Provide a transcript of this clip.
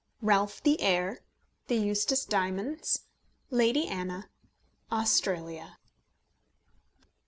RALPH THE HEIR THE EUSTACE DIAMONDS LADY ANNA AUSTRALIA.